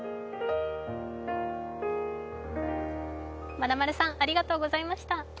まなまるさん、ありがとうございました。